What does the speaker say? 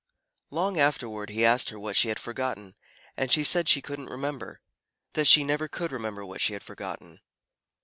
Long afterward he asked her what she had forgotten and she said she couldn't remember that she never could remember what she had forgotten.